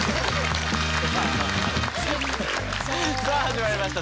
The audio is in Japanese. さあ始まりました